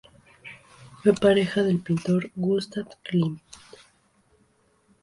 Fue pareja del pintor Gustav Klimt.